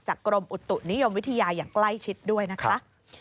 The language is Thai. กรมอุตุนิยมวิทยาอย่างใกล้ชิดด้วยนะคะ